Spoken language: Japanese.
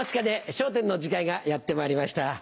『笑点』の時間がやってまいりました。